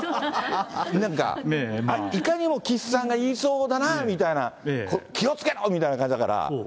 なんか、いかにも岸さんが言いそうだなみたいな、気をつけろみたいな感じだから。